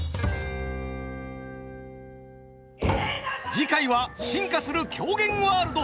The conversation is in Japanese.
次回は進化する狂言ワールド。